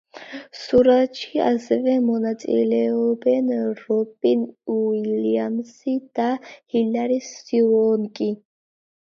სურათში ასევე მონაწილეობენ რობინ უილიამსი და ჰილარი სუონკი.